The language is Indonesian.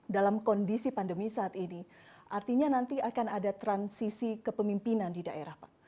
dalam kondisi pandemi saat ini artinya nanti akan ada transisi kepemimpinan di daerah pak